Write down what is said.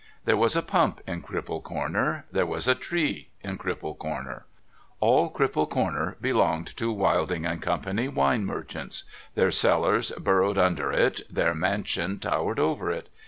There was a pump in Cripple Corner, there was a tree in Cripjile Corner. All Cripple Comer belonged to Wilding and Co., Wine Merchants. Their cellars burrowed under it, their mansion towered over it.